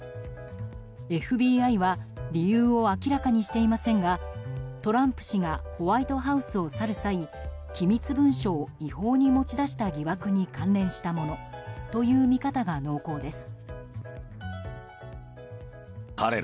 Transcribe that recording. ＦＢＩは理由を明らかにしていませんがトランプ氏がホワイトハウスを去る際機密文書を違法に持ち出した疑惑に関連したものという見方が濃厚です。